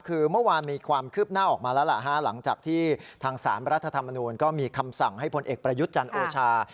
คือเมื่อวานมีความคืบหน้าออกมาแล้วล่ะฮะหลังจากที่ทางสารรัฐธรรมนูลก็มีคำสั่งให้พลเอกประยุทธ์จันทร์โอชา